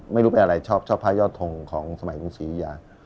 ไม่รู้เป็นอะไรชอบพระยอดทงของสมัยกรุงศรียุยา